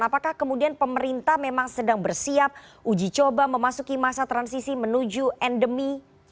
apakah kemudian pemerintah memang sedang bersiap uji coba memasuki masa transisi menuju endemi